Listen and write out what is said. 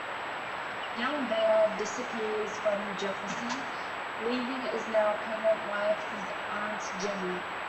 Young Bayard disappears from Jefferson, leaving his now pregnant wife with Aunt Jenny.